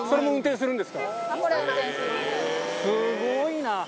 すごいな。